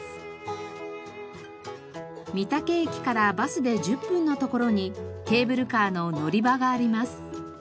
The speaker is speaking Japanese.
御嶽駅からバスで１０分の所にケーブルカーの乗り場があります。